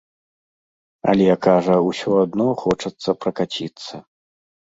Але, кажа, усё адно хочацца пракаціцца.